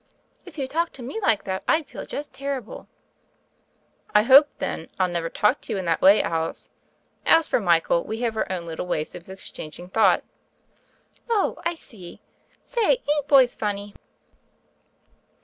If you talked to me like that I'd feel just terrible." "I hope, then, I'll never talk to you in that way, Alice. As for Michael, we have our own little ways of exchanging thought." "Oh, I see! Say, ain't boys funny?"